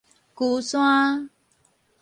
龜山